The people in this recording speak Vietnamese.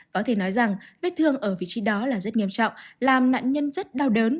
có thể nói rằng vết thương ở vị trí đó là rất nghiêm trọng làm nạn nhân rất đau đớn